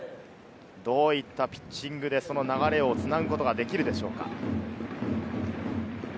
どういったピッチングで、その流れをつなぐことができるでしょうか。